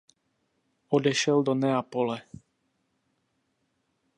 Odešel do Neapole.